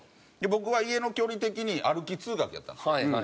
僕は家の距離的に歩き通学やったんですよ。